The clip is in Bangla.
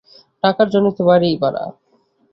টাকার জন্যেই তো বাড়ি ভাড়া।